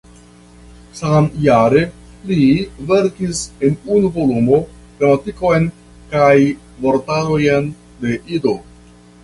Samjare li verkis en unu volumo gramatikon kaj vortarojn de Ido.